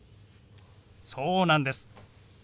そうなんです。